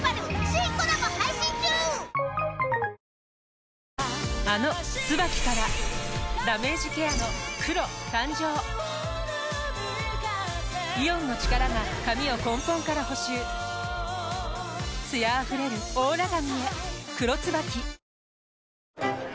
そしてこの後あの「ＴＳＵＢＡＫＩ」からダメージケアの黒誕生イオンの力が髪を根本から補修艶あふれるオーラ髪へ「黒ＴＳＵＢＡＫＩ」